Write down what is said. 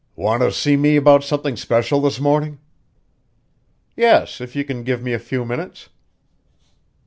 "Want to see me about something special this morning?" "Yes, if you can give me a few minutes."